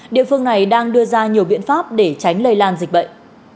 địa phương này đang đưa ra nhiều biện pháp để tránh lây lan dịch bệnh